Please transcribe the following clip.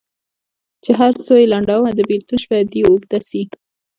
چي هر څو یې لنډومه د بېلتون شپه دي اوږده سي